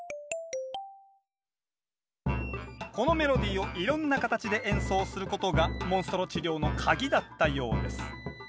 このメロディーをいろんな形で演奏することがモンストロ治療のカギだったようです。